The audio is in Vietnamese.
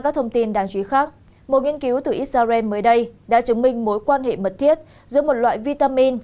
các thông tin đáng chú ý khác một nghiên cứu từ israel mới đây đã chứng minh mối quan hệ mật thiết giữa một loại vitamin